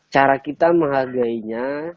cara kita menghargainya